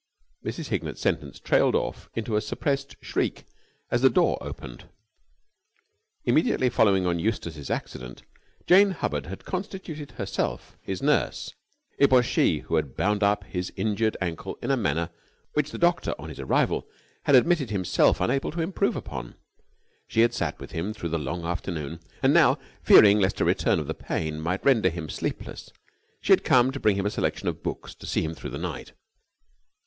Mrs. Hignett's sentence trailed off into a suppressed shriek, as the door opened. Immediately following on Eustace's accident, Jane Hubbard had constituted herself his nurse. It was she who had bound up his injured ankle in a manner which the doctor on his arrival had admitted himself unable to improve upon. She had sat with him through the long afternoon. And now, fearing lest a return of the pain might render him sleepless, she had come to bring him a selection of books to see him through the night.